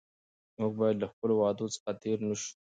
موږ باید له خپلو وعدو څخه تېر نه شو.